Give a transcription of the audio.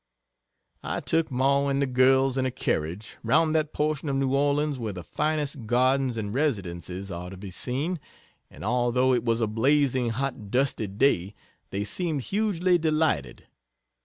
I took Ma and the girls in a carriage, round that portion of New Orleans where the finest gardens and residences are to be seen, and although it was a blazing hot dusty day, they seemed hugely delighted.